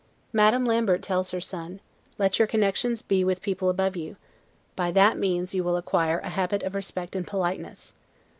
Madame Lambert tells her son, Let your connections be with people above you; by that means you will acquire a habit of respect and politeness.